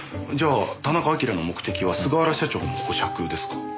じゃあ田中晶の目的は菅原社長の保釈ですか？